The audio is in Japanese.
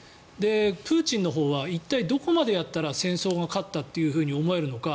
プーチンのほうは一体どこまでやったら戦争が勝ったと思えるのか